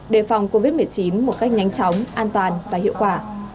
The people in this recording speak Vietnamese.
đề phòng covid một mươi chín một cách nhanh chóng an toàn và hiệu quả